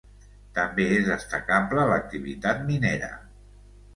També és destacable l'activitat minera.